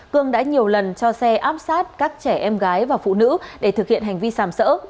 cương đã nhiều lần cho xe áp sát các trẻ em gái và phụ nữ để thực hiện hành vi sàm sỡ